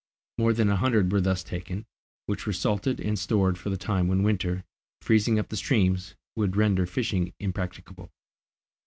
More than a hundred were thus taken, which were salted and stored for the time when winter, freezing up the streams, would render fishing impracticable.